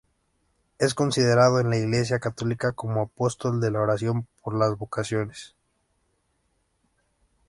Es considerado en la Iglesia católica como apóstol de la oración por las vocaciones.